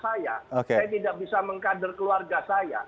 saya tidak bisa mengkader keluarga saya